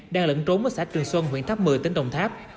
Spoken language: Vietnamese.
đang lẫn trốn ở xã trường xuân huyện tháp một mươi tỉnh đồng tháp